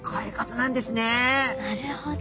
なるほど。